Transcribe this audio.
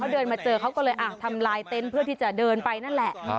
เดินมาเจอเขาก็เลยทำลายเต็นต์เพื่อที่จะเดินไปนั่นแหละ